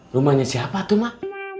rumahnya siapa tuh mak